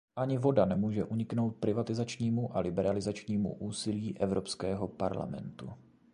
Ani voda nemůže uniknout privatizačnímu a liberalizačnímu úsilí Evropského parlamentu.